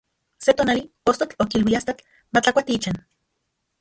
Se tonali, ostotl okilui astatl matlakuati ichan.